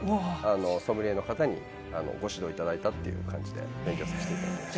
ソムリエの方にお越しいただいたという感じで、勉強させていただきました。